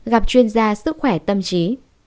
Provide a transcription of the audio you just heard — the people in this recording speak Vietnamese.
tám gặp chuyên gia sức khỏe tâm trí